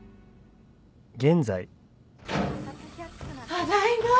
ただいま。